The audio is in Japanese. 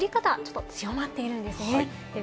振り方がちょっと強まっているんですね。